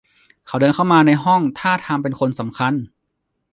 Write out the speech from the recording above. เขาเดินเข้ามาในห้องท่าทางเป็นคนสำคัญ